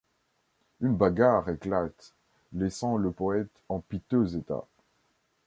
Une bagarre éclate, laissant le Poète en piteux état.